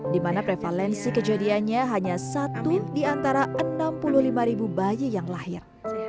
dimana prevalensi kejadiannya hanya satu diantara enam puluh lima ribu bayi yang lahir